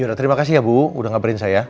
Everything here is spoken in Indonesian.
yaudah terima kasih ya bu udah ngabarin saya